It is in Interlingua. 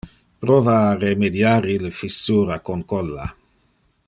Prova a remediar ille fissura con colla.